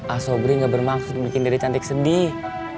asobri gak bermaksud bikin diri cantik sedih